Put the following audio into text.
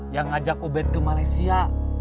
yang ngajak ubed ke malaysia